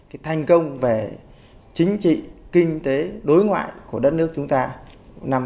cái thành công về chính trị kinh tế đối ngoại của đất nước chúng ta năm hai nghìn một mươi bảy